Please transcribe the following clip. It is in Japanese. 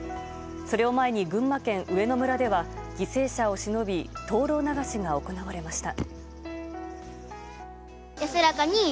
それを前に群馬県上野村では犠牲者をしのび灯籠流しが行われました。